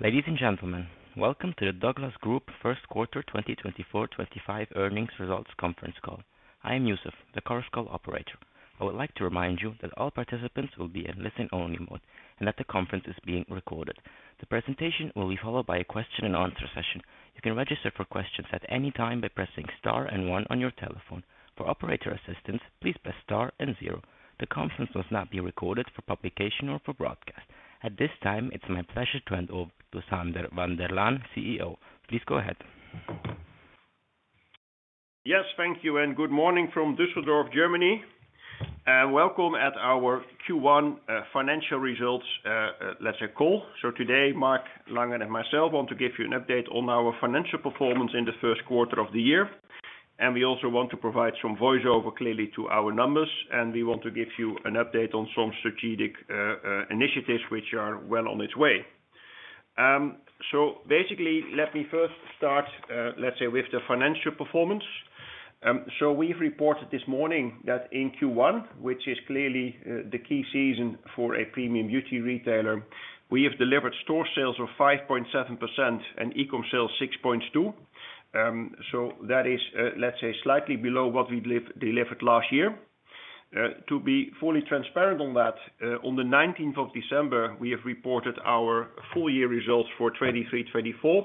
Ladies and gentlemen, welcome to the Douglas Group First Quarter 2024/25 Earnings Results Conference Call. I am Youssef, the Chorus Call operator. I would like to remind you that all participants will be in listen-only mode and that the conference is being recorded. The presentation will be followed by a question-and-answer session. You can register for questions at any time by pressing STAR and 1 on your telephone. For operator assistance, please press STAR and 0. The conference must not be recorded for publication or for broadcast at this time. It's my pleasure to hand over to Sander van der Laan, CEO. Please go ahead. Yes, thank you, and good morning from Düsseldorf, Germany, and welcome to our Q1 financial results, let's say, call. So today Mark Langer and myself want to give you an update on our financial performance in the first quarter of the year. And we also want to provide some overview clearly to our numbers and we want to give you an update on some strategic initiatives which are well on its way. So basically, let me first start, let's say, with the financial performance. So we've reported this morning that in Q1, which is clearly the key season for a premium beauty retailer, we have delivered store sales of 5.7% and e-com sales 6.2%. So that is, let's say, slightly below what we delivered last year. To be fully transparent on that, on the 19th of December, we have reported our full year results for 23/24.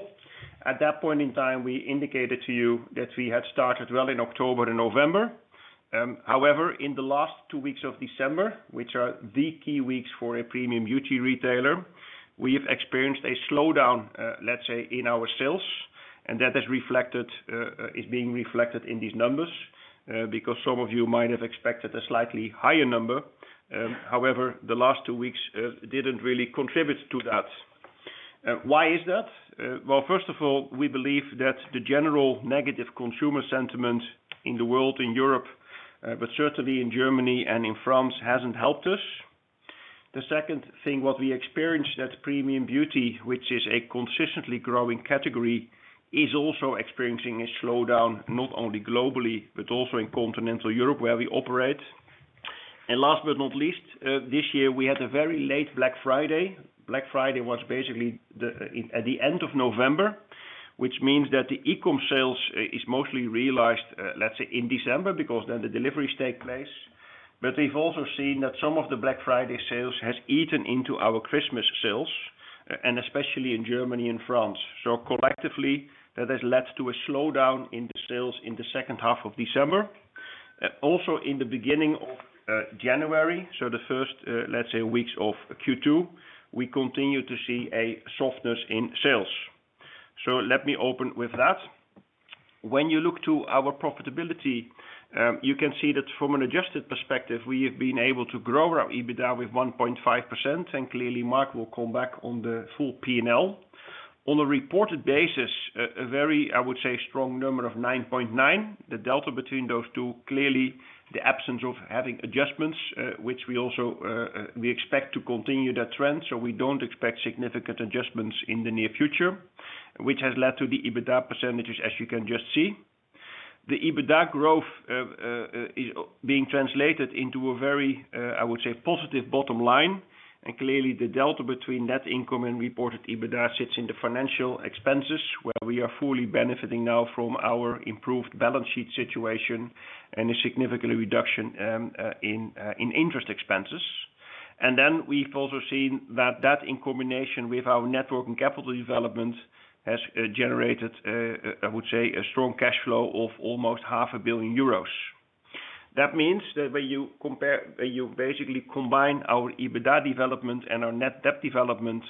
At that point in time, we indicated to you that we had started well in October and November. However, in the last two weeks of December, which are the key weeks for a premium beauty retailer, we have experienced a slowdown, let's say, in our sales, and that is being reflected in these numbers because some of you might have expected a slightly higher number. However, the last two weeks didn't really contribute to that. Why is that? Well, first of all, we believe that the general negative consumer sentiment in the world, in Europe, but certainly in Germany and in France, hasn't helped us. The second thing, what we experience that premium beauty, which is a consistently growing category, is also experiencing a slowdown, not only globally, but also in continental Europe where we operate. And last but not least, this year we had a very late Black Friday. Black Friday was basically at the end of November, which means that the e-com sales is mostly realized, let's say in December, because then the deliveries take place. But we've also seen that some of the Black Friday sales has eaten into our Christmas sales and especially in Germany and France. So collectively that has led to a slowdown in the sales in the second half of December, also in the beginning of January, so the first, let's say weeks of Q2, we continue to see a softness in sales. So let me open with that. When you look to our profitability you can see that from an adjusted perspective we have been able to grow our EBITDA with 1.5% and clearly Mark will come back on the full P&L on a reported basis. A very, I would say strong number of 9.9. The delta between those two, clearly the absence of having adjustments which we also expect to continue that trend. So we don't expect significant adjustments in the near future which has led to the EBITDA percentages. As you can just see, the EBITDA growth is being translated into a very, I would say, positive bottom line, and clearly the delta between net income and reported EBITDA sits in the financial expenses where we are fully benefiting now from our improved balance sheet situation and a significant reduction in interest expenses, and then we've also seen that in combination with our net working capital development has generated, I would say, a strong cash flow of almost 500 million euros. That means that when you basically combine our EBITDA development and our net debt development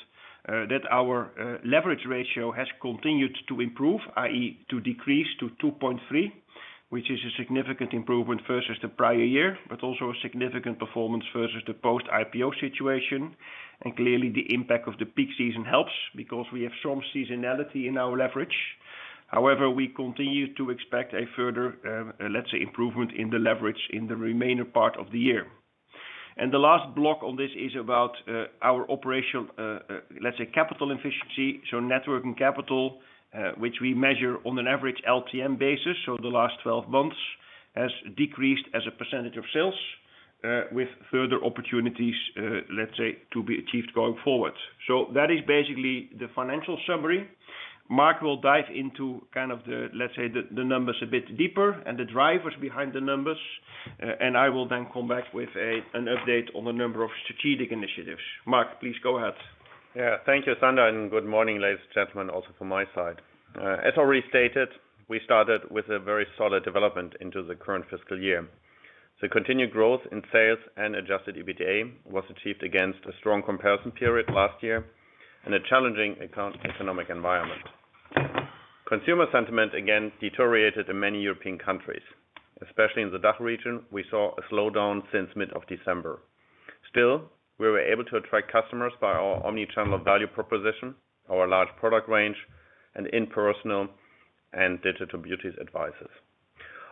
that our leverage ratio has continued to improve, that is to decrease to 2.3 which is a significant improvement versus the prior year but also a significant performance versus the post-IPO situation, and clearly the impact of the peak season helps because we have some seasonality in our leverage. However, we continue to expect a further, let's say, improvement in the leverage in the remainder part of the year. And the last block on this is about our operational, let's say, capital efficiency. So net working capital which we measure on an average LTM basis. So the last 12 months has decreased as a percentage of sales with further opportunities, let's say, to be achieved going forward. So that is basically the financial summary. Mark will dive into kind of the, let's say, the numbers a bit deeper and the drivers behind the numbers. And I will then come back with an update on the number of strategic initiatives. Mark, please go ahead. Thank you, Sander, and good morning, ladies and gentlemen. Also from my side, as already stated, we started with a very solid development into the current fiscal year. The continued growth in sales and Adjusted EBITDA was achieved against a strong comparison period last year and a challenging economic environment. Consumer sentiment again deteriorated in many European countries, especially in the DACH region. We saw a slowdown since mid-December. Still, we were able to attract customers by our omnichannel value proposition, our large product range, and in personal and digital beauty advisors.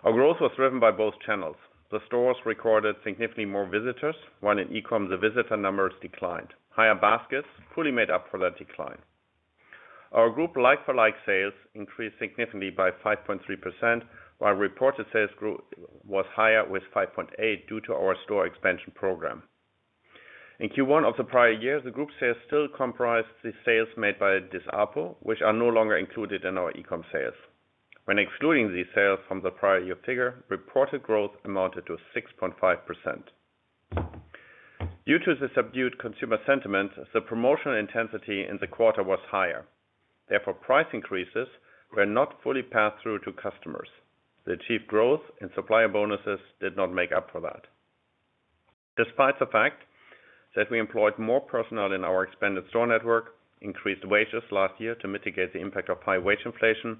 Our growth was driven by both channels. The stores recorded significantly more visitors while in e-comm the visitor numbers declined higher. Baskets fully made up for that decline. Our group like-for-like sales increased significantly by 5.3% while reported sales grew was higher with 5.8% due to our store expansion program. In Q1 of the prior year, the group sales still comprised the sales made by Disapo, which are no longer included in our E Com sales. When excluding these sales from the prior year figure, reported growth amounted to 6.5%. Due to the subdued consumer sentiment, the promotional intensity in the quarter was higher. Therefore price increases were not fully passed through to customers. The achieved growth in supplier bonuses did not make up for that. Despite the fact that we employed more personnel in our expanded store network, increased wages last year to mitigate the impact of high wage inflation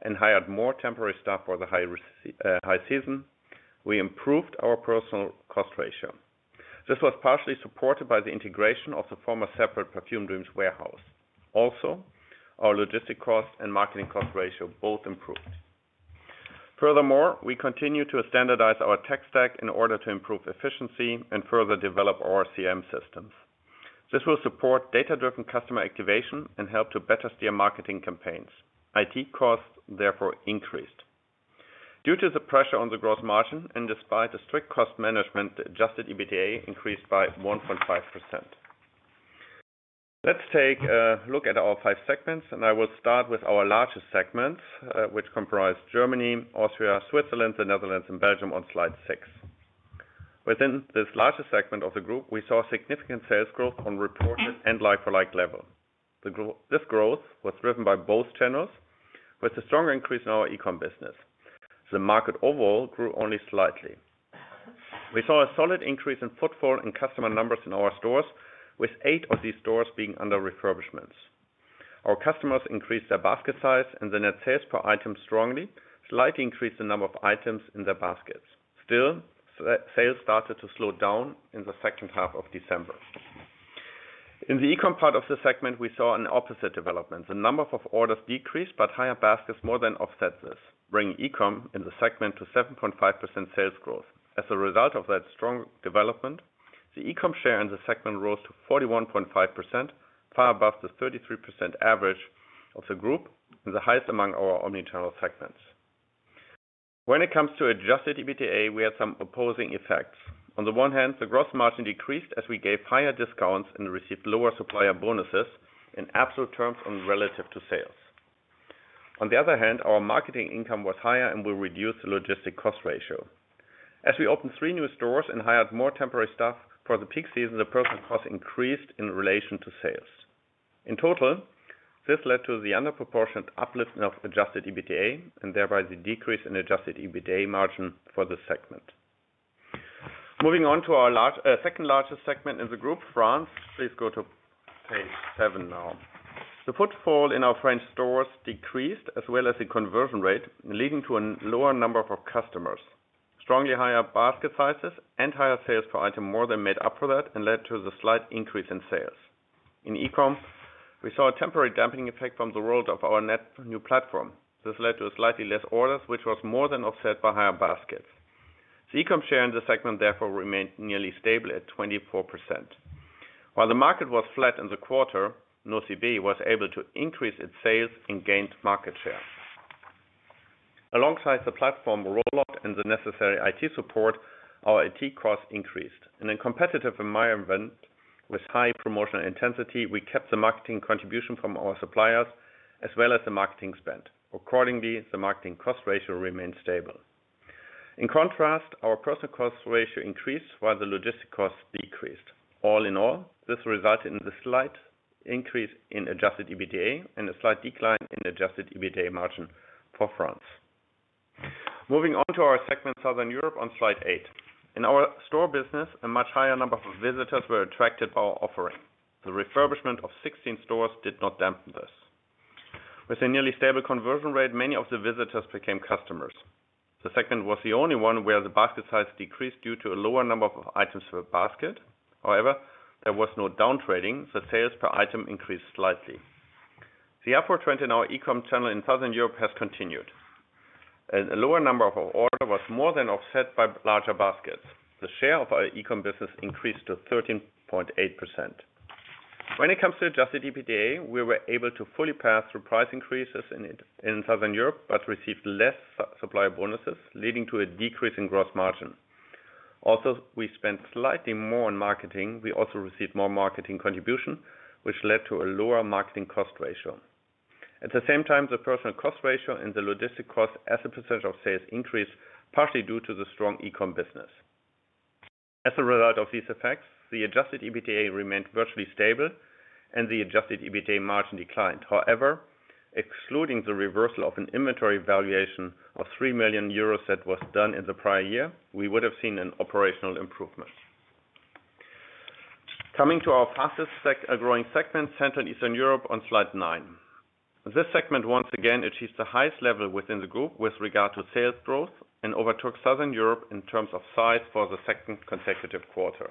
and hired more temporary staff for the high season, we improved our personnel cost ratio. This was partially supported by the integration of the former separate Parfumdreams warehouse. Also, our logistics cost and marketing cost ratio both improved. Furthermore, we continue to standardize our tech stack in order to improve efficiency and further develop our CRM systems. This will support data-driven customer activation and help to better steer marketing campaigns. Its costs therefore increased due to the pressure on the gross margin and despite the strict cost management, adjusted EBITDA increased by 1.5%. Let's take a look at our five segments and I will start with our largest segments which comprise Germany, Austria, Switzerland, the Netherlands and Belgium. On slide 6, within this larger segment of the group, we saw significant sales growth on reported and like-for-like level. This growth was driven by both channels with a strong increase in our E Com business. The market overall grew only slightly. We saw a solid increase in footfall and customer numbers in our stores with eight of these stores being under refurbishments. Our customers increased their basket size and the net sales per item strongly slightly increased the number of items in their baskets. Still, sales started to slow down in the second half of December. In the E Com part of the segment, we saw an opposite development. The number of orders decreased but higher baskets more than offset this, bringing e-com in the segment to 7.5% sales growth. As a result of that strong development, the e-com share in the segment rose to 41.5%, far above the 33% average of the group and the highest among our omnichannel segments. When it comes to Adjusted EBITDA, we had some opposing effects. On the one hand, the gross margin decreased as we gave higher discounts and received lower supplier bonuses in absolute terms relative to sales. On the other hand, our marketing income was higher and we reduced the logistics cost ratio. As we opened three new stores and hired more temporary staff for the peak season, the personnel cost increased in relation to sales. In total, this led to the under proportionate uplift of adjusted EBITDA and thereby the decrease in adjusted EBITDA margin for the segment. Moving on to our second largest segment in the group, France, please go to page seven now. The footfall in our French stores decreased as well as the conversion rate leading to a lower number of customers. Strongly higher basket sizes and higher sales per item more than made up for that and led to the slight increase in sales in e-com. We saw a temporary dampening effect from the rollout of our new platform. This led to slightly less orders which was more than offset by higher baskets. The e-com share in the segment therefore remained nearly stable at 24%. While the market was flat in the quarter, Nocibé was able to increase its sales and gained market share. Alongside the platform rollout and the necessary IT support, our IT costs increased. In a competitive environment with high promotional intensity, we kept the marketing contribution from our suppliers as well as the marketing spend. Accordingly, the marketing cost ratio remained stable. In contrast, our personnel cost ratio increased while the logistics cost decreased. All in all, this resulted in the slight increase in adjusted EBITDA and a slight decline in adjusted EBITDA margin for France. Moving on to our segment Southern Europe on slide 8 in our store business, a much higher number of visitors were attracted by our offering. The refurbishment of 16 stores did not dampen this. With a nearly stable conversion rate, many of the visitors became customers. The segment was the only one where the basket size decreased due to a lower number of items per basket. However, there was no downtrading. The sales per item increased slightly. The upward trend in our e-com channel in Southern Europe has continued. A lower number of orders was more than offset by larger baskets. The share of our e-com business increased to 13.8%. When it comes to adjusted EBITDA, we were able to fully pass through price increases in Southern Europe but received less supplier bonuses leading to a decrease in gross margin. Also, we spent slightly more on marketing. We also received more marketing contribution which led to a lower marketing cost ratio. At the same time, the personnel cost ratio and the logistics cost as a percentage of sales increased partially due to the strong e-com business. As a result of these effects, the adjusted EBITDA remained virtually stable and the adjusted EBITDA margin declined. However, excluding the reversal of an inventory valuation of 3 million euros that was done in the prior year, we would have seen an operational improvement. Coming to our fastest growing segment, Central in Eastern Europe on slide 9. This segment once again achieved the highest level within the group with regard to sales growth and overtook Southern Europe in terms of size for the second consecutive quarter.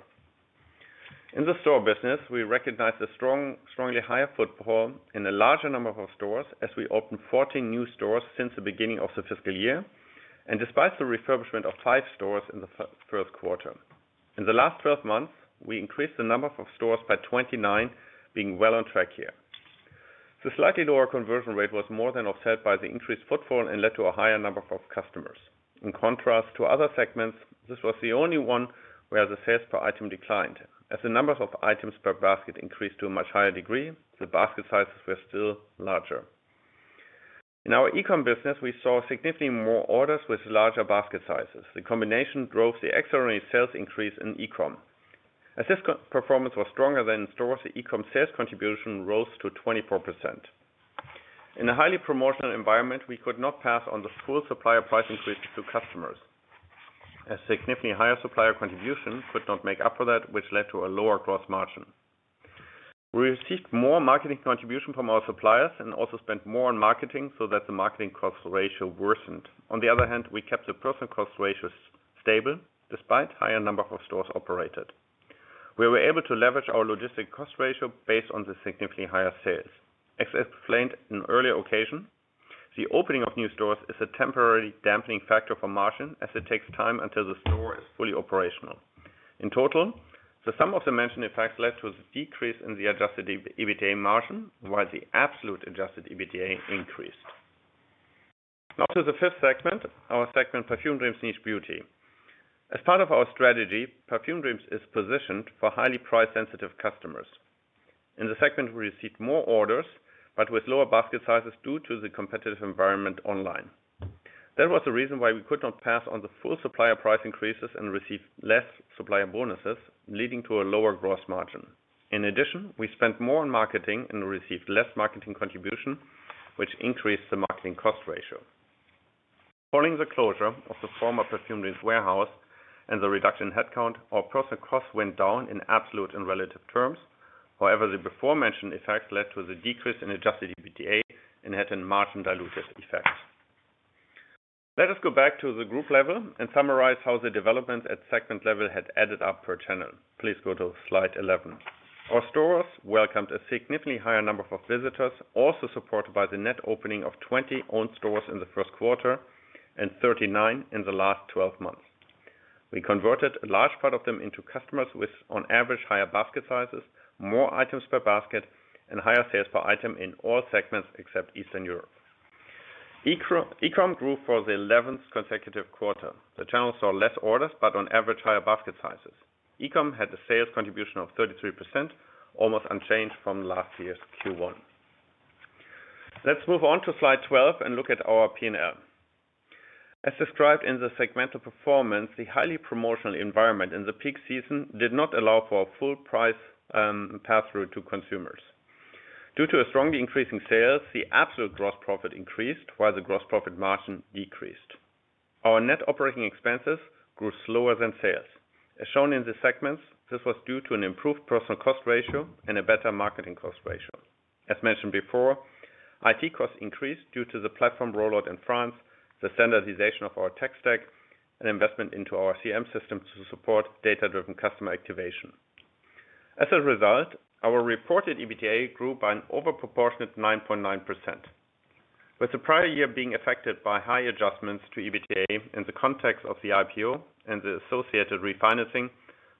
In the store business, we recognized a strong higher foothold in a larger number of stores as we opened 14 new stores since the beginning of the fiscal year and despite the refurbishment of five stores in the first quarter, in the last 12 months we increased the number of stores by 29. Being well on track here, the slightly lower conversion rate was more than offset by the increased footfall and led to a higher number of customers. In contrast to other segments, this was the only one where the sales per item declined. As the numbers of items per basket increased to a much higher degree, the basket sizes were still larger. In our e-com business, we saw significantly more orders with larger basket sizes. The combination drove the accelerated sales increase in e-com as this performance was stronger than stores. The e-com sales contribution rose to 24%. In a highly promotional environment, we could not pass on the full supplier price increases to customers. A significantly higher supplier contribution could not make up for that which led to a lower gross margin. We received more marketing contribution from our suppliers and also spent more on marketing so that the marketing cost ratio worsened. On the other hand, we kept the personnel cost ratio stable despite higher number of stores operated. We were able to leverage our logistics cost ratio based on the significantly higher sales. As explained on an earlier occasion, the opening of new stores is a temporary dampening factor for margin as it takes time until the store is fully operational. In total, the sum of the mentioned effects led to the decrease in the Adjusted EBITDA margin while the absolute Adjusted EBITDA increased. Now to the fifth segment, our segment Perfume Dreams, Niche Beauty. As part of our strategy, Perfume Dreams is positioned for highly price-sensitive customers. In the segment, we received more orders but with lower basket sizes due to the competitive environment online. That was the reason why we could not pass on the full supplier price increases and receive less supplier bonuses leading to a lower gross margin. In addition, we spent more on marketing and received less marketing contribution which increased the marketing cost ratio. Following the closure of the former Perfume Dreams warehouse and the reduction in headcount, our personnel costs went down in absolute and relative terms. However, the aforementioned effect led to the decrease in Adjusted EBITDA and had a margin-diluted effect. Let us go back to the group level and summarize how the developments at segment level had added up per channel. Please go to slide 11. Our stores welcomed a significantly higher number of visitors, also supported by the net opening of 20 owned stores in the first quarter and 39 in the last 12 months. We converted a large part of them into customers with on average higher basket sizes, more items per basket and higher sales per item in all segments except Eastern Europe. E-com grew for the 11th consecutive quarter. The channel saw less orders but on average higher basket sizes. E-com had a sales contribution of 33%, almost unchanged from last year's Q1. Let's move on to Slide 12 and look at our P and L as described in the segmental performance. The highly promotional environment in the peak season did not allow for a full price pass-through to consumers. Due to a strongly increasing sales, the absolute gross profit increased while the gross profit margin decreased. Our net operating expenses grew slower than sales as shown in the segments. This was due to an improved personnel cost ratio and a better marketing cost ratio. As mentioned before, IT costs increased due to the platform rollout in France, the standardization of our tech stack and investment into our CRM system to support data-driven customer activation. As a result, our reported EBITDA grew by an over proportionate 9.9% with the prior year being affected by high adjustments to EBITDA. In the context of the IPO and the associated refinancing,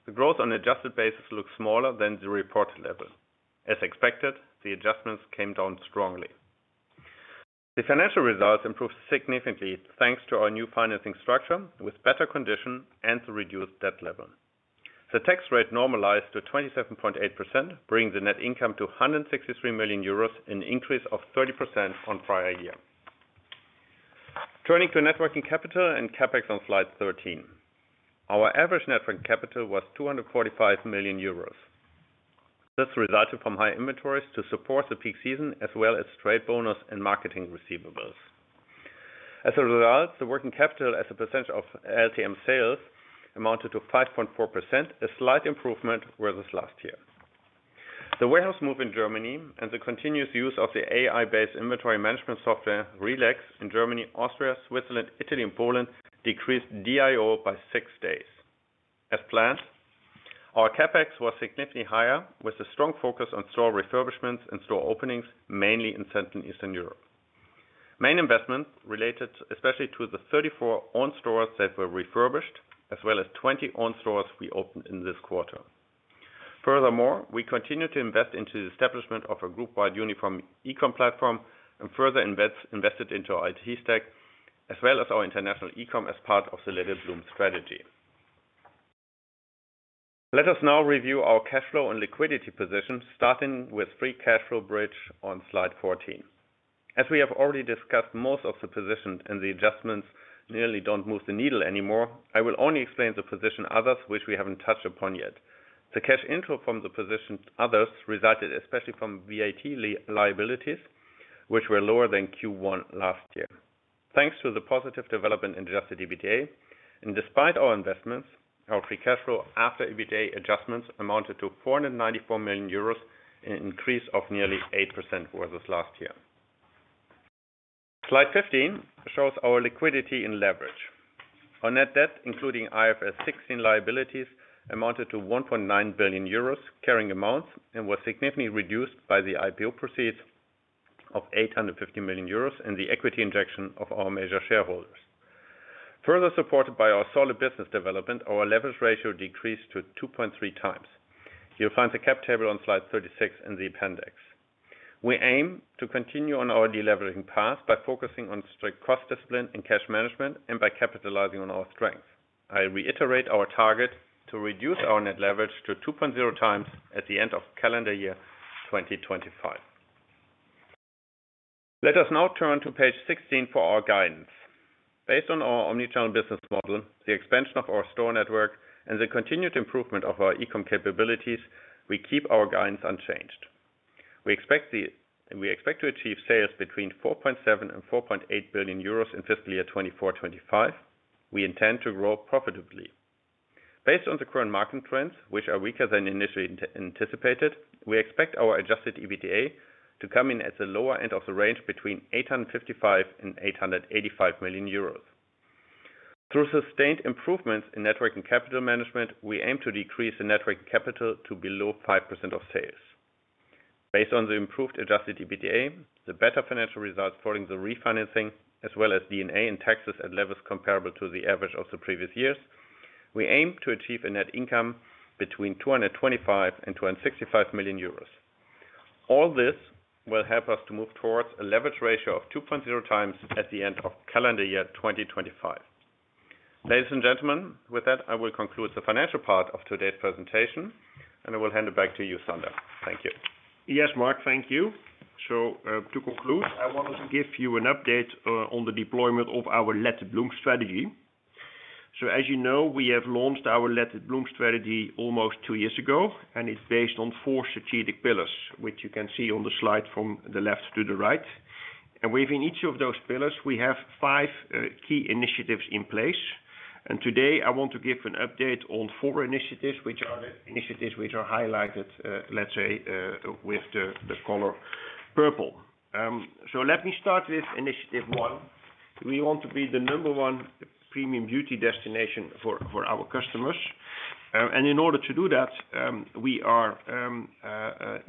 the growth on adjusted basis looks smaller than the reported level. As expected, the adjustments came down strongly. The financial results improved significantly thanks to our new financing structure. With better condition and the reduced debt level, the tax rate normalized to 27.8%, bringing the net income to 163 million euros, an increase of 30% on prior year. Turning to net working capital and CapEx on slide 13, our average net working capital was 245 million euros. This resulted from high inventories to support the peak season as well as trade bonus and marketing receivables. As a result, the working capital as a percentage of LTM sales amounted to 5.4%, a slight improvement versus last year. The warehouse move in Germany and the continuous use of the AI based inventory management software RELEX in Germany, Austria, Switzerland, Italy and Poland decreased DIO by six days as planned. Our CapEx was significantly higher with a strong focus on store refurbishments and store openings mainly in Central and Eastern Europe. Main investment related especially to the 34 owned stores that were refurbished as well as 20 owned stores we opened in this quarter. Furthermore, we continue to invest into the establishment of a group-wide uniform e-com platform and further invested into our IT stack as well as our international e-com as part of the Let It Bloom strategy. Let us now review our cash flow and liquidity position starting with free cash flow bridge on slide 14. As we have already discussed, most of the position and the adjustments nearly don't move the needle anymore. I will only explain the position others which we haven't touched upon yet. The cash inflow from the position others resulted especially from VAT liabilities which were lower than Q1 last year. Thanks to the positive development in adjusted EBITDA and despite our investments, our free cash flow after EBITDA adjustments amounted to 494 million euros increase of nearly 8% versus last year. Slide 15 shows our liquidity in leverage. Our net debt including IFRS 16 liabilities amounted to 1.9 billion euros carrying amounts and was significantly reduced by the IPO proceeds of 850 million euros and the equity injection of our major shareholders. Further supported by our solid business development, our leverage ratio decreased to 2.3 times. You'll find the cap table on slide 36 in the appendix. We aim to continue on our deleveraging path by focusing on strict cost discipline and cash management and by capitalizing on our strength. I reiterate our target to reduce our net leverage to 2.0 times at the end of calendar year 2025. Let us now turn to page 16 for our guidance based on our omnichannel business model, the expansion of our store network and the continued improvement of our e-com capabilities, we keep our guidance unchanged. We expect to achieve sales between 4.7 billion and 4.8 billion euros in fiscal year 2024/25. We intend to grow profitably based on the current market trends which are weaker than initially anticipated. We expect our Adjusted EBITDA to come in at the lower end of the range between 855 million and 885 million euros. Through sustained improvements in net working capital management, we aim to decrease the net working capital to below 5% of sales. Based on the improved Adjusted EBITDA, the better financial results following the refinancing as well as decline in taxes at levels comparable to the average of the previous years, we aim to achieve a net income between 225 million and 265 million euros. All this will help us to move towards a leverage ratio of 2.0 times at the end of calendar year 2025. Ladies and gentlemen. With that, I will conclude the financial part of today's presentation and I will hand it back to you, Sander. Thank you. Yes, Mark, thank you. So to conclude, I want to give you an update on the deployment of our Let It Bloom strategy. So, as you know, we have launched our Let It Bloom strategy almost two years ago. And it's based on four strategic pillars which you can see on the slide from the left to the right. And within each of those pillars we have five key initiatives in place. And today I want to give an update on four initiatives which are the initiatives which are highlighted, let's say with the color purple. So let me start with Initiative 1. We want to be the number one premium beauty destination for our customers. And in order to do that, we are.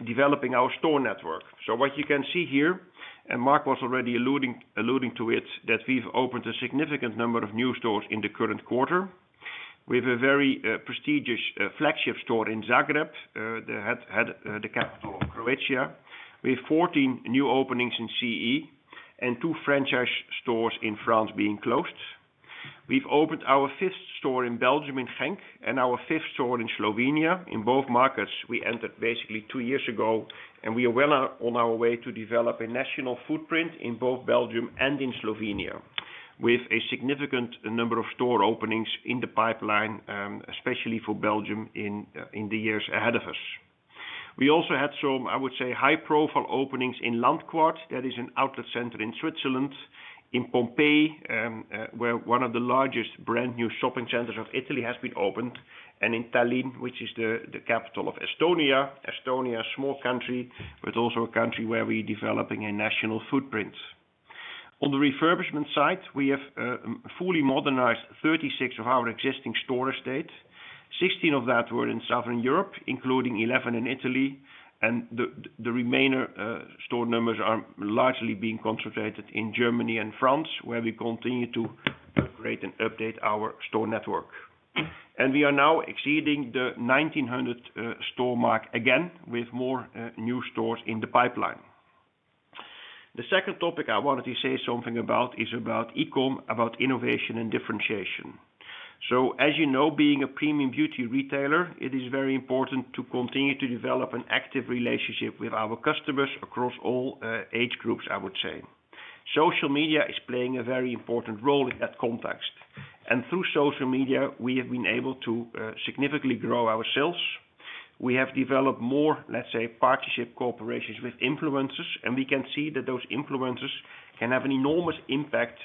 Developing our store network. So what you can see here, and Mark was already alluding to it, that we've opened a significant number of new stores in the current quarter. We have a very prestigious flagship store in Zagreb, the capital of Croatia, with 14 new openings in CE and two franchise stores in France being closed. We've opened our fifth store in Belgium in Genk and our fifth store in Slovenia in both markets. We entered basically two years ago. And we are well on our way to develop a national footprint in both Belgium and in Slovenia with a significant number of store openings in the pipeline, especially for Belgium. In the years ahead of us, we also had some, I would say, high profile openings in Landquart, that is an outlet center in Switzerland, in Pompeii, where one of the largest brand new shopping centers of Italy has been opened, and in Tallinn, which is the capital of Estonia. Estonia, a small country, but also a country where we developing a national footprint. On the refurbishment side, we have fully modernized 36 of our existing store estate. 16 of that were in Southern Europe, including 11 in Italy, and the remainder store numbers are largely being concentrated in Germany and France, where we continue to upgrade and update our store network, and we are now exceeding the 1,900 store mark again with more new stores in the pipeline. The second topic I wanted to say something about is about E Com, about innovation and differentiation. As you know, being a premium beauty retailer, it is very important to continue to develop an active relationship with our customers across all age groups. I would say social media is playing a very important role in that context. Through social media we have been able to significantly grow ourselves. We have developed more, let's say, partnership cooperations with influencers, and we can see that those influencers can have an enormous impact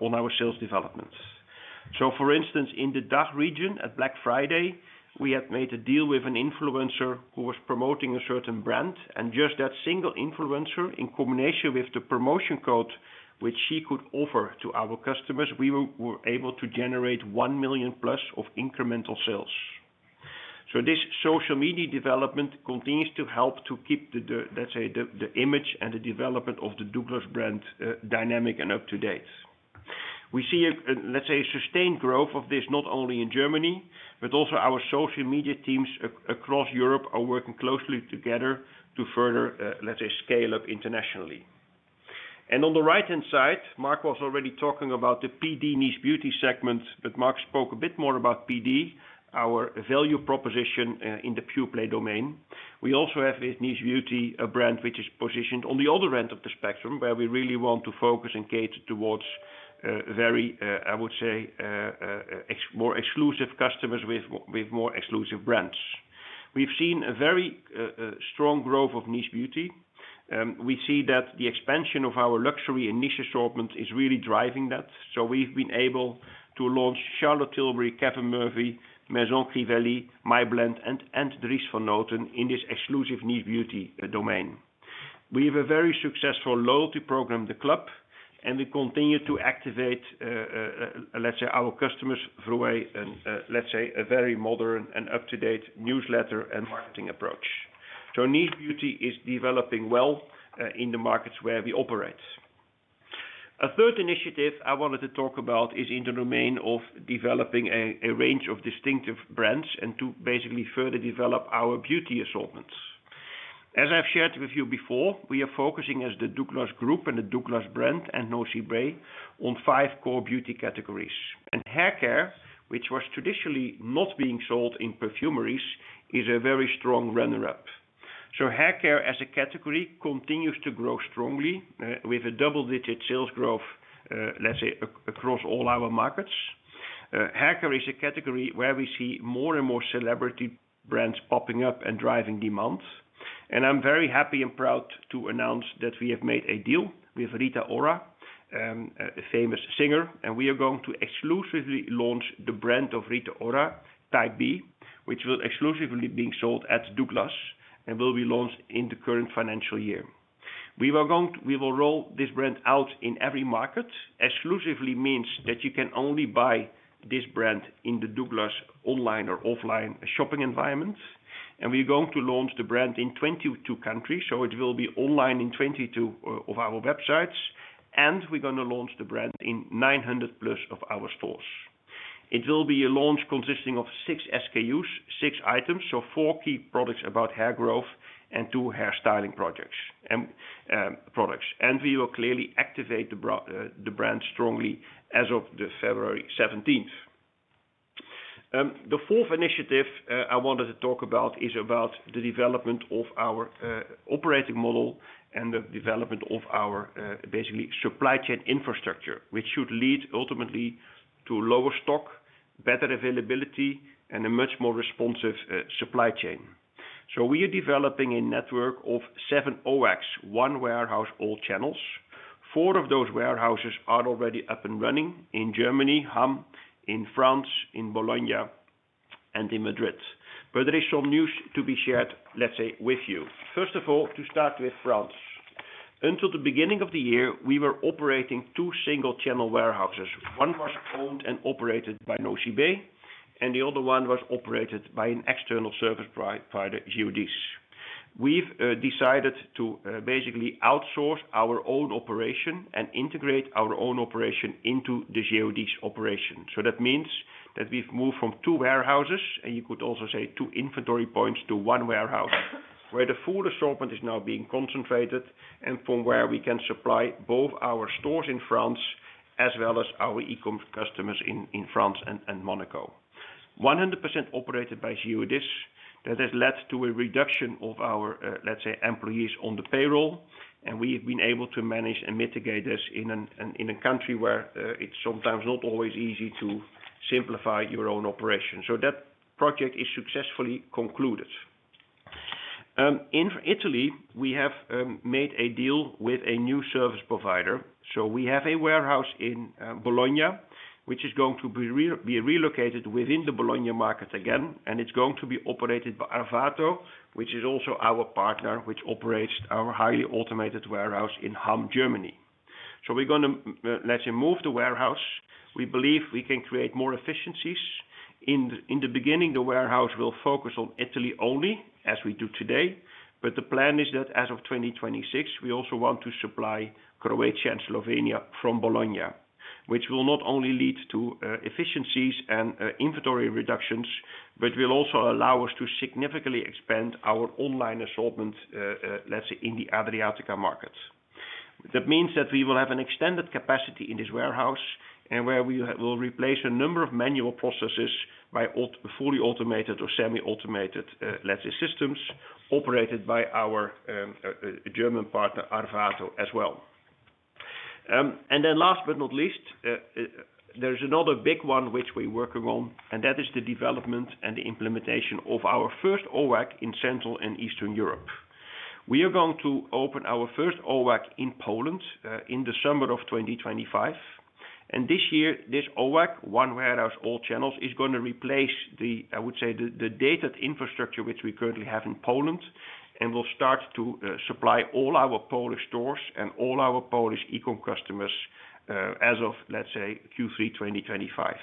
on our sales developments. For instance, in the DACH region at Black Friday, we had made a deal with an influencer who was promoting a certain brand and just that single influencer. In combination with the promotion code which she could offer to our customers, we were able to generate 1 million-plus of incremental sales. So this social media development continues to help to keep the image and the development of the Douglas brand dynamic and up to date. We see, let's say sustained growth of this not only in Germany, but also our social media teams across Europe are working closely together to further, let's say, scale up internationally. And on the right hand side, Mark was already talking about the PD Niche Beauty segment. But Mark spoke a bit more about PD, our value proposition in the pure-play domain. We also have with Niche Beauty, a brand which is positioned on the other end of the spectrum where we really want to focus and cater towards very, I would say more exclusive customers with more exclusive brands. We've seen a very strong growth of Niche Beauty. We see that the expansion of our luxury and niche assortment is really driving that. We've been able to launch Charlotte Tilbury, Kevin Murphy, Maison Crivelli, My Blend and Dries Van Noten in this exclusive niche beauty domain. We have a very successful loyalty program, the Club, and we continue to activate, let's say, our customers through a, let's say, very modern and up-to-date newsletter and marketing approach. Niche beauty is developing well in the markets where we operate. A third initiative I wanted to talk about is in the domain of developing a range of distinctive brands and to basically further develop our beauty assortments. As I've shared with you before, we are focusing as the Douglas Group and the Douglas brand and Nocibé on five core beauty categories, and hair care which was traditionally not being sold in perfumeries is a very strong runner up. Hair care as a category continues to grow strongly with a double-digit sales growth, let's say across all our markets. Hair care is a category where we see more and more celebrity brands popping up and driving demand. I'm very happy and proud to announce that we have made a deal with Rita Ora, a famous singer, and we are going to exclusively launch the brand of Rita Ora Type B, which will be exclusively sold at Douglas and will be launched in the current financial year. We will roll this brand out in every market. Exclusively means that you can only buy this brand in the Douglas online or offline shopping environment. We're going to launch the brand in 22 countries, so it will be online in 22 of our websites and we're going to launch the brand in 900-plus of our stores. It will be a launch consisting of six SKUs, six items, so four key products about hair growth and two hair styling. Products and we will clearly activate the brand strongly as of February 17th. The fourth initiative I wanted to talk about is about the development of our operating model and the development of our basically supply chain infrastructure, which should lead ultimately to lower stock, better availability and a much more responsive supply chain. So we are developing a network of seven OWAC, one warehouse, all channels. Four of those warehouses are already up and running in Germany, Hamm in France, in Bologna and in Madrid. But there is some news to be shared with you. First of all, to start with France, until the beginning of the year, we were operating two single channel warehouses. One was owned and operated by Nocibé and the other one was operated by an external service provider, GEODIS. We've decided to basically outsource our own operation and integrate our own operation into the GEODIS operation. So that means that we've moved from two warehouses and you could also say two inventory points to one warehouse where the full assortment is now being concentrated and from where we can supply both our stores in France as well as our e-commerce customers in France and Monaco, 100% operated by GEODIS. That has led to a reduction of our, let's say, employees on the payroll. And we have been able to manage and mitigate this in a country where it's sometimes not always easy to simplify your own operations. So that project is successfully concluded. In Italy, we have made a deal with a new service provider. So we have a warehouse in Bologna which is going to be relocated within the Bologna market again, and it's going to be operated by Arvato, which is also our partner, which operates our highly automated warehouse in Hamm, Germany. So we're going to let him move the warehouse. We believe we can create more efficiencies. In the beginning, the warehouse will focus on Italy only, as we do today. But the plan is that as of 2026, we also want to supply Croatia and Slovenia from Bologna, which will not only lead to efficiencies and inventory reductions, but will also allow us to significantly expand our online assortment, let's say in the Adriatic markets. That means that we will have an extended capacity in this warehouse and where we will replace a number of manual processes by fully automated or semi-automated Latse systems operated by our German partner, Arvato as well. And then last but not least, there's another big one which we're working on, and that is the development and the implementation of our first OWAC in Central and Eastern Europe. We are going to open our first OWAC in Poland in the summer of 2025. And this year this OWAC one warehouse, all channels, is going to replace the, I would say the dated infrastructure which we currently have in Poland and will start to supply all our Polish stores and all our Polish ECOM customers as of, let's say Q3, 2025,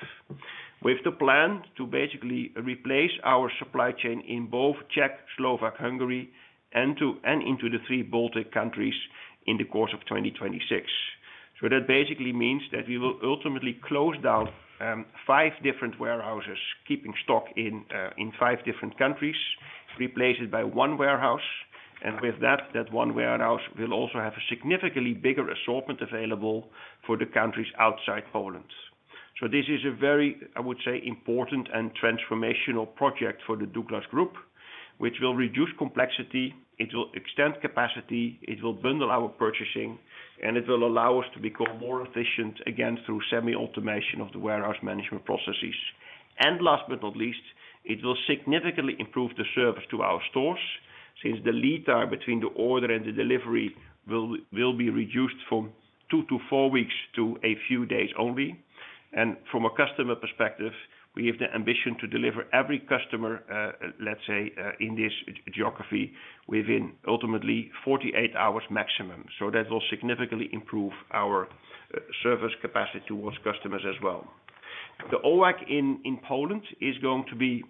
with the plan to basically replace our supply chain in both China, Czech, Slovak, Hungary and into the three Baltic countries in the course of 2026. So that basically means that we will ultimately close down five different warehouses, keeping stock in five different countries, replace it by one warehouse, and with that, that one warehouse will also have a significantly bigger assortment available for the countries outside Poland. So this is a very, I would say, important and transformational project for the Douglas Group which will reduce complexity, it will extend capacity, it will bundle our purchasing and it will allow us to become more efficient again through semi automation of the warehouse management processes. And last but not least, it will significantly improve the service to our stores since the lead time between the order and the delivery will be reduced from two to four weeks to a few days only. And from a customer perspective, we have the ambition to deliver every customer, let's say in this geography, within ultimately 48 hours maximum. So that will significantly improve our service capacity towards customers as well. The OWAC in Poland is going to be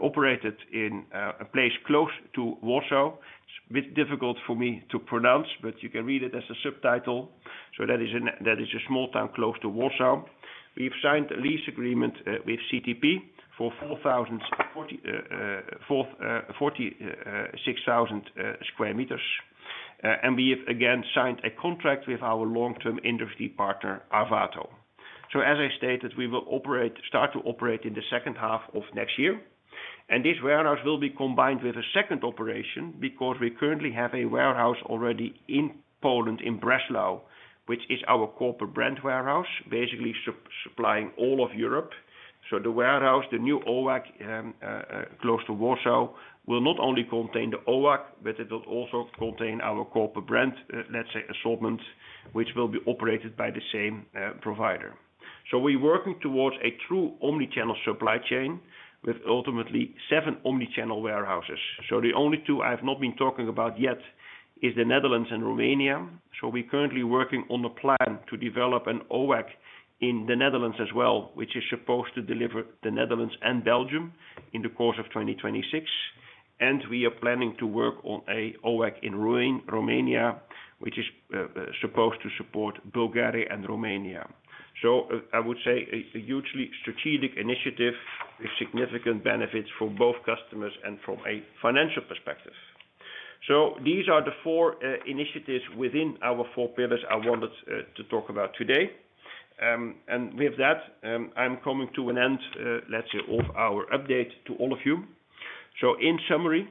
operated in a place close to Warsaw. It's a bit difficult for me to pronounce, but you can read it as a subtitle. So that is a small town close to Warsaw. We've signed a lease agreement with CTP for. 46,000 square meters and we have again signed a contract with our long-term industry partner, Arvato. So as I stated, we will start to operate in the second half of next year and this warehouse will be combined with a second operation because we currently have a warehouse already in Poland, in Breslau, which is our corporate brand warehouse, basically supplying all of Europe. So the warehouse, the new OWAC close to Warsaw will not only contain the OWAC, but it will also contain our corporate brand, let's say assortment, which will be operated by the same provider. So we're working towards a true omnichannel supply chain with ultimately seven omnichannel warehouses. So the only two I have not been talking about yet is the Netherlands and Romania. We're currently working on a plan to develop an OWAC in the Netherlands as well, which is supposed to deliver the Netherlands and Belgium in the course of 2026. We are planning to work on an OWAC in Romania which is supposed to support Bulgaria and Romania. I would say a hugely strategic initiative with significant benefits for both customers and from a financial perspective. These are the four initiatives within our four pillars I wanted to talk about today. With that I'm coming to an end of our update to all of you. In summary,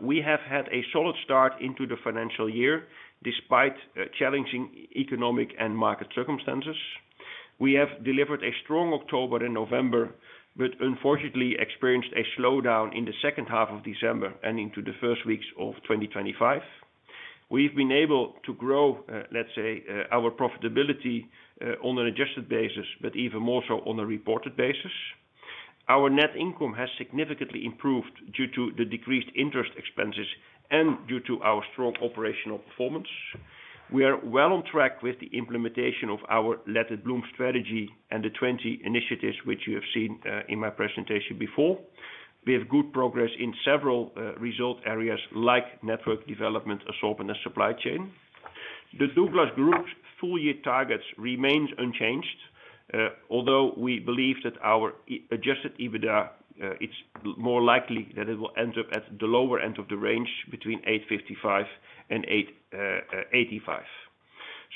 we have had a solid start into the financial year despite challenging economic and market circumstances. We have delivered a strong October and November, but unfortunately experienced a slowdown in the second half of December and into the first weeks of 2025. We've been able to grow, let's say, our profitability on an adjusted basis. But even more so on a reported basis, our net income has significantly improved due to the decreased interest expenses and due to our strong operational performance. We are well on track with the implementation of our Let It Bloom strategy and the 20 initiatives which you have seen in my presentation before. We have good progress in several result areas like network development, assortment and supply chain. The Douglas Group's full year targets remains unchanged, although we believe that our adjusted EBITDA, it's more likely that it will end up at the lower end of the range between 8.55 and 85.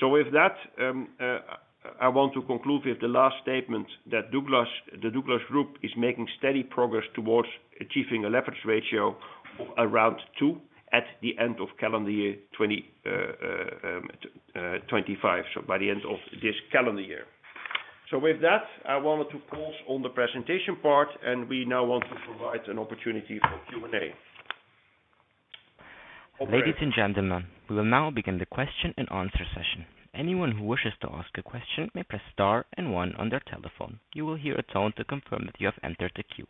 So with that I want to conclude with the last statement that the Douglas Group is making steady progress towards achieving a leverage ratio around 2 at the end of calendar year 2025. So by the end of this calendar year. So with that, I wanted to pause on the presentation part and we now want to provide an opportunity for Q&A. Ladies and gentlemen, we will now begin the question and answer session. Anyone who wishes to ask a question may press star and one on their telephone. You will hear a tone to confirm that you have entered the queue.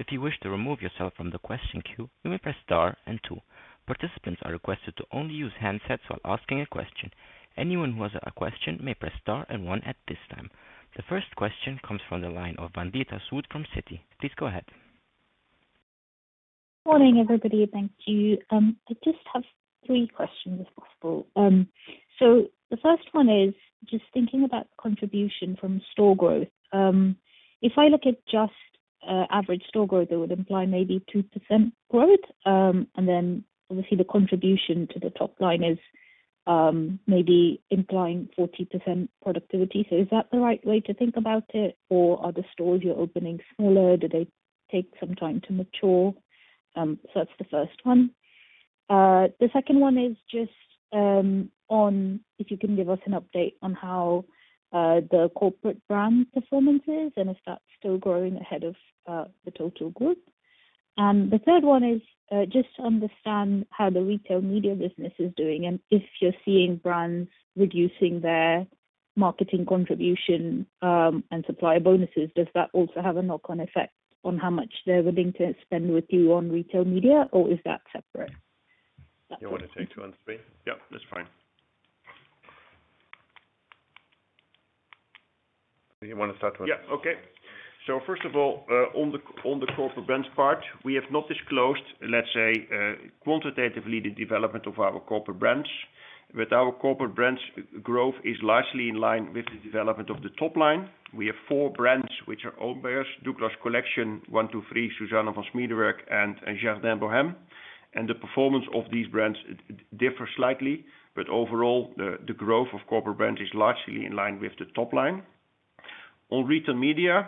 If you wish to remove yourself from the question queue, you may press star and 2. Participants are requested to only use handsets while asking a question. Anyone who has a question may press star and one at this time. The first question comes from the line of Vandita Swiet from Citi. Please go ahead. Morning everybody. Thank you. I just have three questions if possible. So the first one is just thinking about the contribution from store growth. If I look at just average store growth, it would imply maybe 2% growth and then obviously the contribution to the top line is maybe implying 40% productivity. So is that the right way to think about it or are the stores you're opening smaller? Do they take some time to mature? So that's the first one, the second one is just on if you can give us an update on how the corporate brand performance is and if that's still growing ahead of the total group. And the third one is just understand how the retail media business is doing and if you're seeing brands reducing their marketing contribution and supplier bonuses, does that also have a knock on effect on how much they're willing to spend with you on retail media or is that separate? You want to take two answers? Yep, that's fine. You want to start with? Yeah. Okay. So first of all, on the corporate brands part, we have not disclosed, let's say, quantitatively the development of our corporate brands. But our corporate brands growth is largely in line with the development of the top line. We have four brands which are owned by us, Douglas Collection, 1, 2, 3, Susanne von Schmiedeberg and Jardin Bohème. And the performance of these brands differs slightly. But overall the growth of corporate brands is largely in line with the top line. On retail media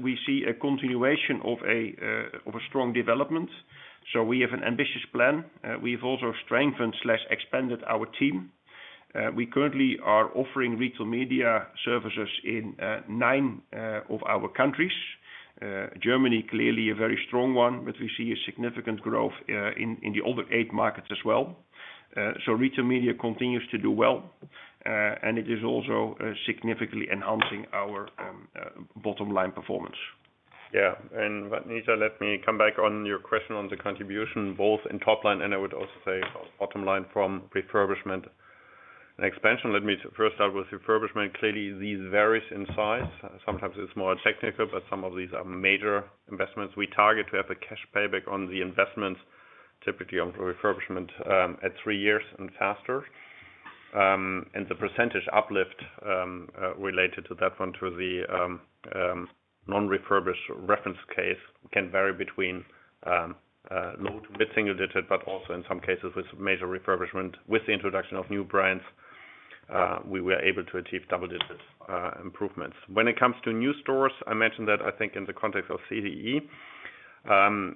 we see a continuation of a strong development. So we have an ambitious plan. We've also strengthened, expanded our team. We currently are offering retail media services in nine of our countries. Germany clearly a very strong one, but we see a significant growth in the other eight markets as well. Retail media continues to do well and it is also significantly enhancing our bottom line performance. Yeah, and Vandita, let me come back on your question on the contribution both in top line and I would also say bottom line from refurbishment and expansion. Let me first start with refurbishment. Clearly these vary in size. Sometimes it's more technical, but some of these are major investments. We target to have a cash payback on the investments typically on refurbishment at three years and faster. And the percentage uplift related to that one to the non-refurbished reference case can vary between low- to mid-single-digit, but also in some cases with major refurbishment. With the introduction of new brands we were able to achieve double-digit improvements when it comes to new stores. I mentioned that I think in the context of CEE,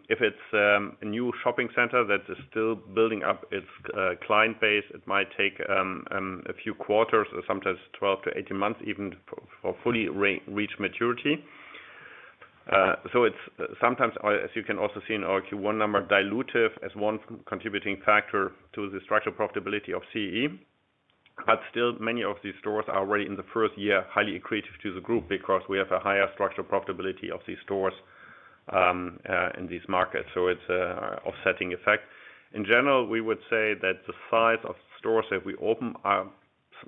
if it's a new shopping center that is still building up its client base, it might take a few quarters or sometimes 12 to 18 months even for it to fully reach maturity. So it's sometimes, as you can also see in our Q1 number, dilutive as one contributing factor to the structural profitability of CE. But still many of these stores are already in the first year highly accretive to the group because we have a higher structural profitability of these stores in these markets. It's offsetting effect. In general we would say that the size of stores that we open are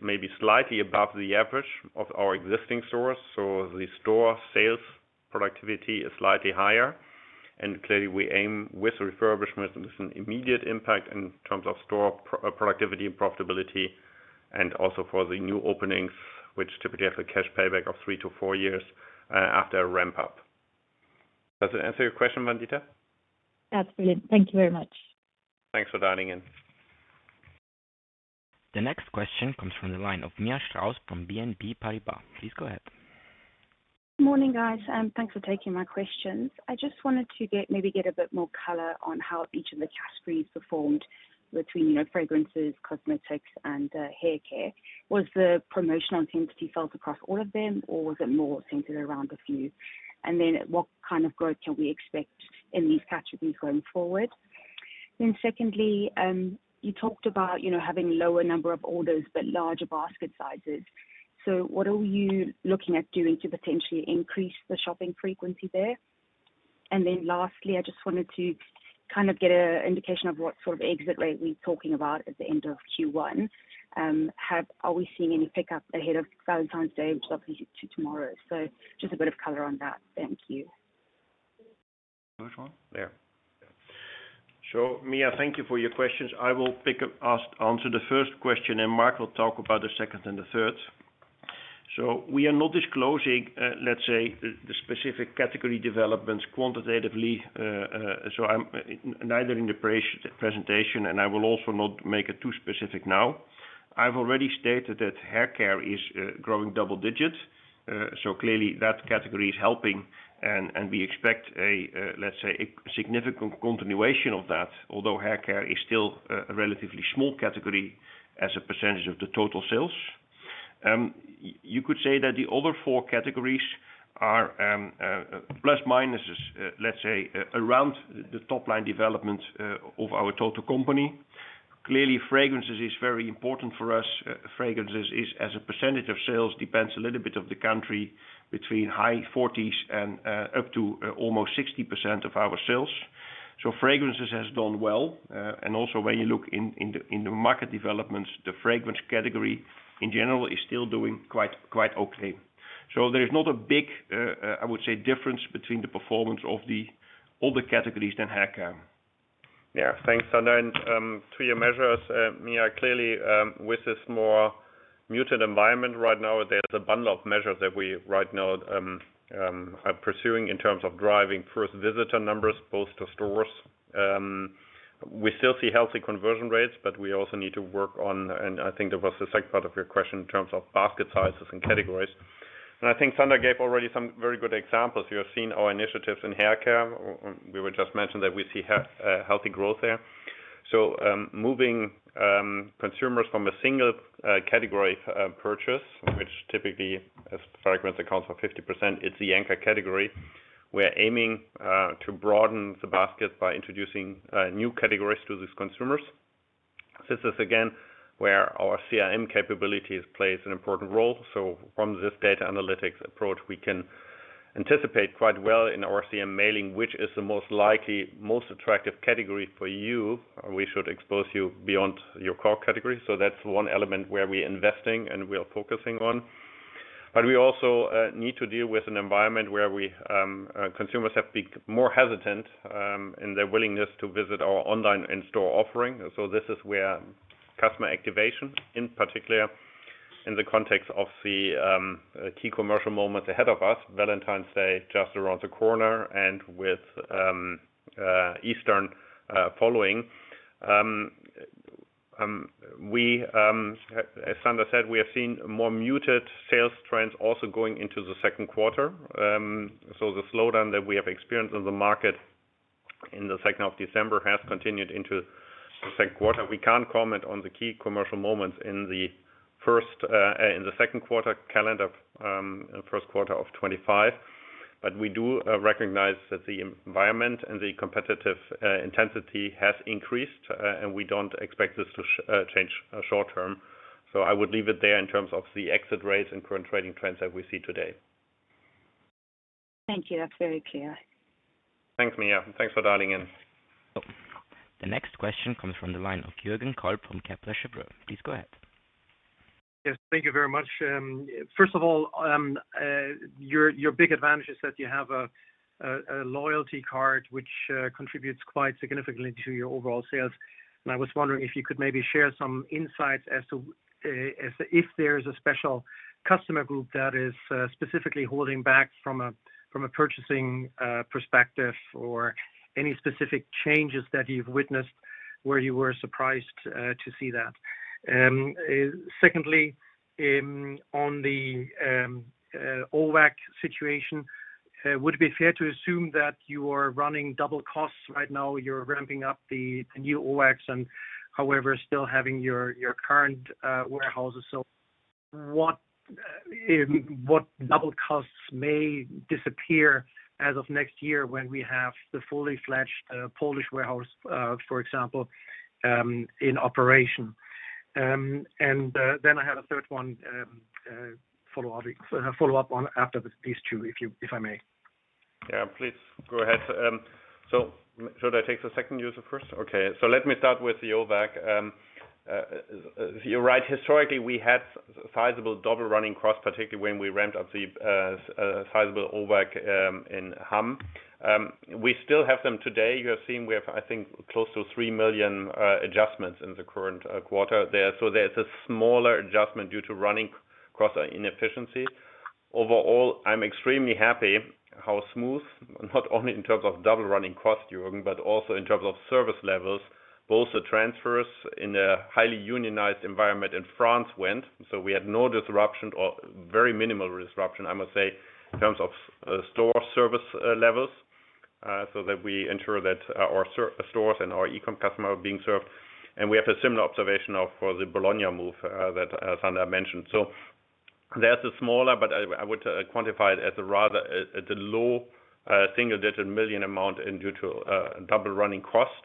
maybe slightly above the average of our existing stores. So the store sales productivity is slightly higher. And clearly we aim with refurbishment with an immediate impact in terms of store productivity and profitability. And also for the new openings which typically have a cash payback of three to four years after a ramp up. Does that answer your question? Vandita, that's brilliant. Thank you very much. Thanks for dining in. The next question comes from the line of Miya Strauss from BNP Paribas. Please go ahead. Morning guys. Thanks for taking my questions. I just wanted to get maybe a bit more color on how each of the categories performed between fragrances, cosmetics and hair care. Was the promotional sensitivity felt across all of them or was it more centered around a few? And then what kind of growth can we expect in these categories going forward? Then secondly, you talked about, you know, having lower number of orders but larger basket sizes. So what are you looking at doing to potentially increase the shopping frequency there? And then lastly, I just wanted to kind of get an indication of what sort of exit rate we talking about at the end of Q1? Are we seeing any pickup ahead of Valentine's Day, which is obviously tomorrow? So just a bit of color on that. Thank you. So Miya, thank you for your questions. I will pick up and answer the first question and Mark will talk about the second and the third. So we are not disclosing, let's say, the specific category developments quantitatively. So I'm neither in the presentation and I will also not make it too specific. Now I've already stated that hair care is growing double digit. So clearly that category is helping and we expect a, let's say, a significant continuation of that. Although hair care is still a relatively small category as a percentage of the total sales, you could say that the other four categories are plus or minus, let's say, around the top line development of our total company. Clearly fragrances is very important for us. Fragrances is as a percentage of sales depends a little bit on the country between high 40s and up to almost 60% of our sales. Fragrances has done well. Also when you look in the market developments, the fragrance category in general is still doing quite okay. There is not a big, I would say, difference between the performance of all the categories and hair care. Yeah, thanks, Sander. And to your measures, Miya. Clearly with this more muted environment right now, there's a bundle of measures that we right now are pursuing in terms of driving first visitor numbers both to stores. We still see healthy conversion rates, but we also need to work on and I think there was the second part of your question in terms of basket sizes and categories and I think Sandhya gave already some very good examples. You have seen our initiatives in hair care. We just mentioned that we see healthy growth there. So moving consumers from a single category purchase, which typically as fragrance accounts for 50% it's the anchor category. We are aiming to broaden the basket by introducing new categories to these consumers. This is again where our CRM capabilities plays an important role. From this data analytics approach we can anticipate quite well in our CRM mailing, which is the most likely most attractive category for you. We should expose you beyond your core category. That's one element where we're investing and we are focusing on. But we also need to deal with an environment where consumers have been more hesitant in their willingness to visit our online and in-store offering. This is where customer activation in particular in the context of the key commercial moments ahead of us, Valentine's Day just around the corner and with Easter following. As Sander said, we have seen more muted sales trends also going into the second quarter. So the slowdown that we have experienced in the market in the second half of December has continued into the second quarter. We can't comment on the key commercial moments in the first in the second quarter, calendar first quarter of 2025, but we do recognize that the environment and the competitive intensity has increased and we don't expect this to change short term. So I would leave it there in terms of the exit rates and current trading trends that we see today. Thank you. That's very clear. Thanks Miya, thanks for dialing in. The next question comes from the line of Jürgen Kolb from Kepler Cheuvreux. Please go ahead. Yes, thank you very much. First of all, your big advantage is that you have a loyalty card which contributes quite significantly to your overall sales. And I was wondering if you could maybe share some insights as to if there is a special customer group that is specifically holding back from a purchasing perspective or any specific changes that you've witnessed where you were surprised to see that. Secondly, on the OWAC situation, would it be fair to assume that you are running double costs right now, you're ramping up the new OWACs and however still having your current warehouses. So what double costs may disappear as of next year when we have the full-fledged Polish warehouse, for example, in operation, and then I have a third one. Follow up on after these two, if I may. Yeah, please go ahead. So should I take the second user first? Okay, so let me start with the OWAC. You're right. Historically we had sizable double running costs, particularly when we ramped up the sizable OWAC in Hamm. We still have them today. You have seen we have I think close to 3 million adjustments in the current quarter there. So there's a smaller adjustment due to running costs inefficiency. Overall, I'm extremely happy how smooth. Not only in terms of double running cost, Jürgen, but also in terms of smooth service levels. Both the transfers in a highly unionized environment in France went so we had no disruption or very minimal disruption, I must say, in terms of store service levels. So that we ensure that our stores and our e-commerce customer are being served. We have a similar observation for the Bologna move that Sander mentioned. So there's a smaller but I would quantify it as a rather low single digit million amount due to double running cost.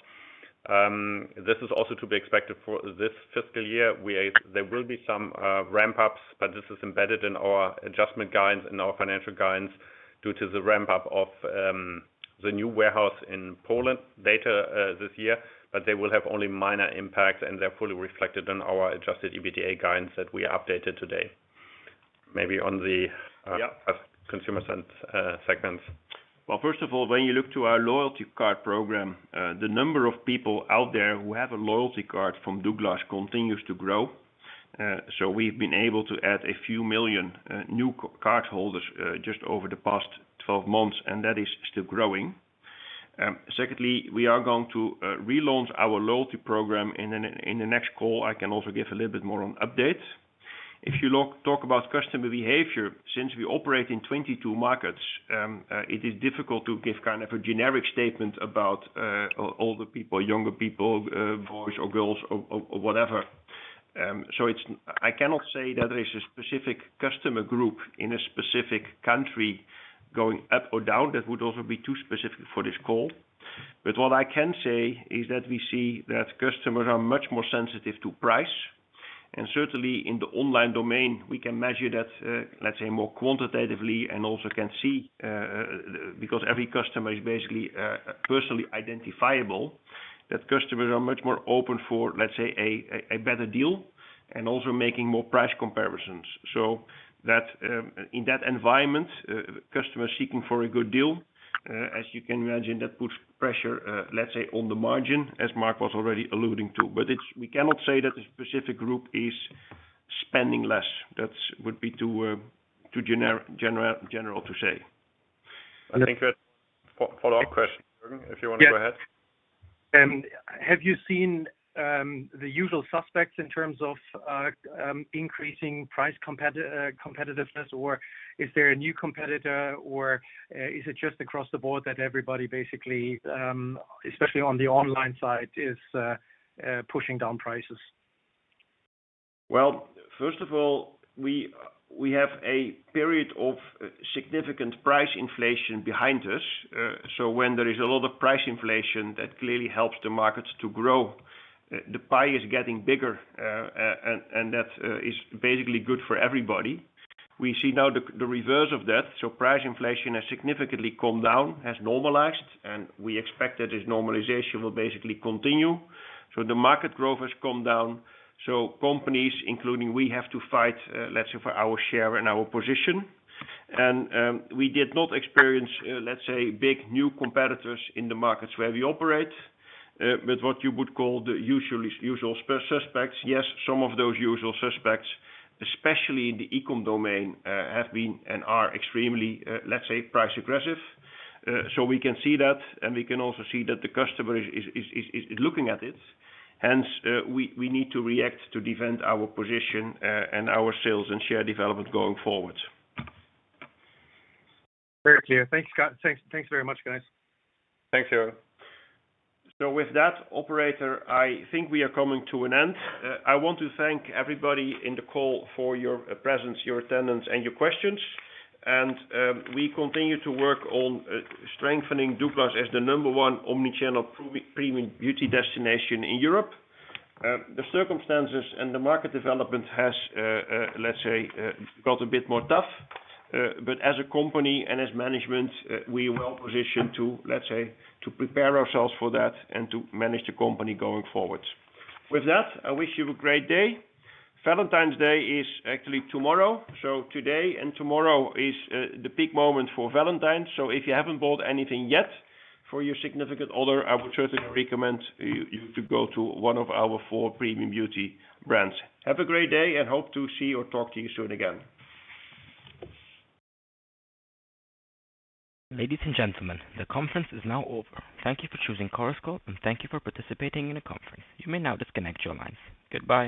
This is also to be expected for this fiscal year. There will be some ramp ups, but this is embedded in our adjustment guidance and our financial guidance due to the ramp up of the new warehouse in Poland later this year. But they will have only minor impacts and they're fully reflected in our Adjusted EBITDA guidance that we updated today. Maybe on the consumer segments. First of all, when you look to our loyalty card program, the number of people out there who have a loyalty card from Douglas continues to grow. So we've been able to add a few million new card holders just over the past 12 months and that is still growing. Secondly, we are going to relaunch our loyalty program. Then in the next call I can also give a little bit more on updates if you talk about customer behavior. Since we operate in 22 markets, it is difficult to give kind of a generic statement about older people, younger people, boys or girls or whatever. So I cannot say that there is a specific customer group in a specific country going up or down. That would also be too specific for this call. But what I can say is that we see that customers are much more sensitive to price and certainly in the online domain we can measure that, let's say more quantitatively and also can see because every customer is basically personally identifiable, that customers are much more open for, let's say, a better deal and also making more price comparisons. So in that environment, customers seeking for a good deal, as you can imagine, that puts pressure, let's say on the margin, as Mark was already alluding to. But we cannot say that it's very specific group is spending less. That would be too general to say thank you. Follow-up question if you want to go ahead. Have you seen the usual suspects in terms of increasing price competitiveness or is there a new competitor or is it just across the board that everybody basically, especially on the online side, is pushing down prices? Well, first of all, we have a period of significant price inflation behind us. So when there is a lot of price inflation that clearly helps the markets to grow. The pie is getting bigger and that is basically good for everybody. We see now the reverse of that. So price inflation has significantly come down, has normalized, and we expect that this normalization will basically continue. So the market growth has come down. So companies, including we have to fight, let's say, for our share and our position. And we did not experience, let's say, big new competitors in the markets where we operate. But what you would call the usual suspects. Yes, some of those usual suspects, especially in the e-com domain, have been and are extremely, let's say, price-aggressive. So we can see that. We can also see that the customer is looking at it. Hence we need to react to defend our position and our sales and share development going forward. Very clear. Thanks, Scott. Thanks very much, guys. Thanks, hero. So with that, operator, I think we are coming to an end. I want to thank everybody in the call for your presence, your attendance, and your questions, and we continue to work on strengthening Douglas as the number one omnichannel premium beauty destination in Europe. The circumstances and the market development has, let's say, got a bit more tough. But as a company and as management, we are well positioned to, let's say, to prepare ourselves for that and to manage the company going forward with that. I wish you a great day. Valentine's Day is actually tomorrow, so today and tomorrow is the peak moment for Valentine's, so if you haven't bought anything yet for your significant other, I would certainly recommend you to go to one of our four premium beauty brands. Have a great day and hope to see or talk to you soon again. Ladies and gentlemen, the conference is now over. Thank you for choosing Chorus Call and thank you for participating in a conference. You may now disconnect your lines. Goodbye.